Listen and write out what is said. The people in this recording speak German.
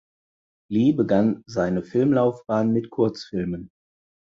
Lee begann seine Filmlaufbahn mit Kurzfilmen.